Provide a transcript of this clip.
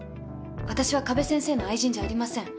私は加部先生の愛人じゃありません。